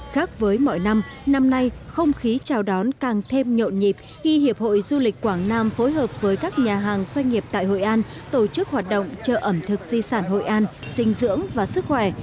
khác với mọi năm năm nay không khí chào đón càng thêm nhộn nhịp khi hiệp hội du lịch quảng nam phối hợp với các nhà hàng doanh nghiệp tại hội an tổ chức hoạt động chợ ẩm thực di sản hội an sinh dưỡng và sức khỏe